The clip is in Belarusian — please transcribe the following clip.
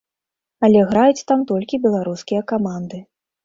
Але граюць там толькі беларускія каманды.